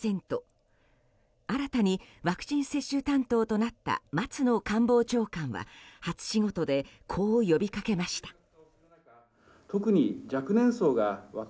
新たにワクチン接種担当となった松野官房長官は初仕事で、こう呼びかけました。